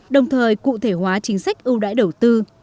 đồng thời cụ thể hóa chính sách ưu đãi đầu tư